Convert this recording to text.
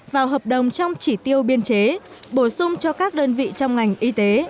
vào hợp đồng trong chỉ tiêu biên chế bổ sung cho các đơn vị trong ngành y tế